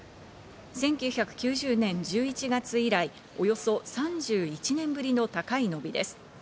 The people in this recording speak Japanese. １９９０年１１月以来、およそ３１年ぶりの高い伸びです。